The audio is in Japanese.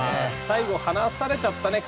最後離されちゃったね